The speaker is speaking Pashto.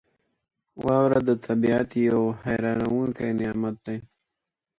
• واوره د طبعیت یو حیرانونکی نعمت دی.